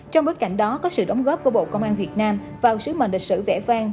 trong bối cảnh đó có sự đóng góp của bộ công an việt nam vào sứ mệnh lịch sử vẽ vang